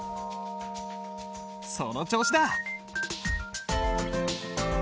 その調子だ！